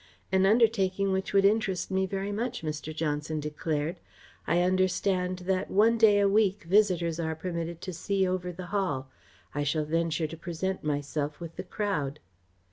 "An undertaking which would interest me very much," Mr. Johnson declared. "I understand that one day a week visitors are permitted to see over the Hall. I shall venture to present myself with the crowd."